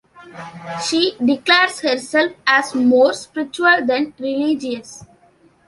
She declares herself as more spiritual than religious ...